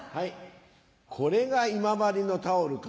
これが今治のタオルか。